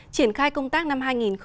triển khai công tác năm hai nghìn hai mươi